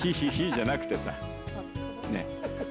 じゃなくて。ねぇ！